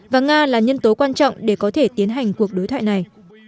và nga là nhân tố quan trọng để có thể tiến hành cuộc đối thoại này